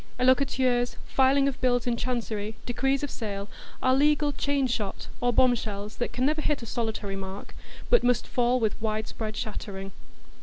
Allocaturs, filing of bills in Chancery, decrees of sale, are legal chain shot or bomb shells that can never hit a solitary mark, but must fall with widespread shattering.